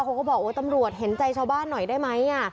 เขาก็บอกโอ้ตำรวจเห็นใจชาวบ้านหน่อยได้ไหม